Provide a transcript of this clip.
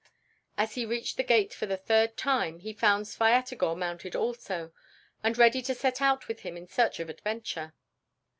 As he reached the gate for the third time, he found Svyatogor mounted also, and ready to set out with him in search of adventure.